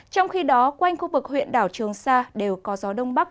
trong khi đó quanh khu vực huyện đảo trường sa đều có gió đông bắc